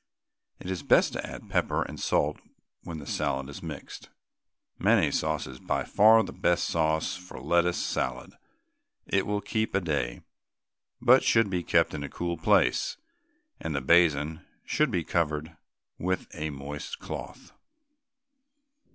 It is best to add pepper and salt when the salad is mixed. Mayonnaise sauce is by far the best sauce for lettuce salad. It will keep a day, but should be kept in a cool place, and the basin should be covered over with a moist cloth.